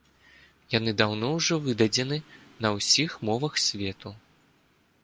Яны даўно ўжо выдадзены на усіх мовах свету.